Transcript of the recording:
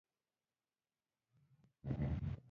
زموږ د تیورۍ له لارې به اټکل هم ګران وي.